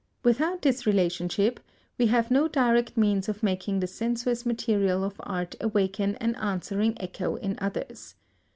Without this relationship we have no direct means of making the sensuous material of art awaken an answering echo in others.